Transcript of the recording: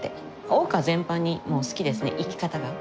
オオカ全般にもう好きですね生き方が。